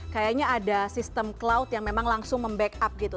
kayaknya ada sistem cloud yang memang langsung membackup gitu